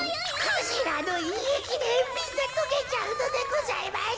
クジラのいえきでみんなとけちゃうのでございます。